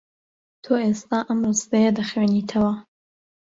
تۆ ئێستا ئەم ڕستەیە دەخوێنیتەوە.